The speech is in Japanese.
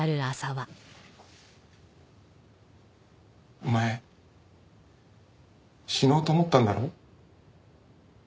お前死のうと思ったんだろ？